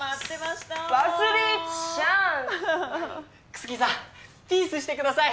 くすきさんピースしてください！